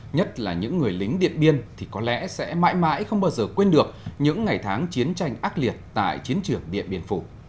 nhất là những người lính điện biên thì có lẽ sẽ mãi mãi không bao giờ quên được những ngày tháng chiến tranh ác liệt tại chiến trường điện biên phủ